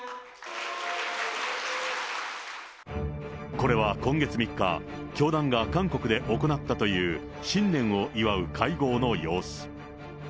これは今月３日、教団が韓国で行ったという新年を祝う会合の様子。